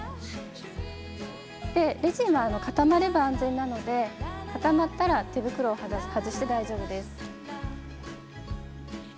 レジンは固まれば安全なので固まったら手袋を外して大丈夫です。